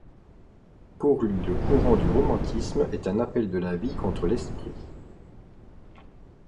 Pour lui le courant du Romantisme est un appel de la vie contre l'Esprit.